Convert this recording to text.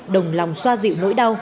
đồng lòng xoa dịu mỗi đau